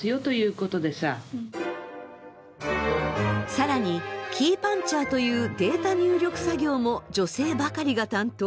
更にキーパンチャーというデータ入力作業も女性ばかりが担当。